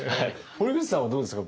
堀口さんはどうですか？